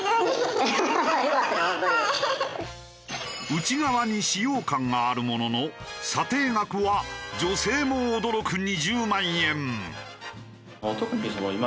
内側に使用感があるものの査定額は女性も驚く２０万円。